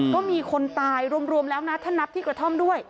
ก็มีคนตายรวมแล้วนะถ้านับที่กระท่อมด้วย